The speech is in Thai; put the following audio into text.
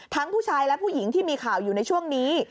ผู้ชายและผู้หญิงที่มีข่าวอยู่ในช่วงนี้